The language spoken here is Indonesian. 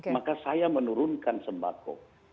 maka saya menurunkan sembako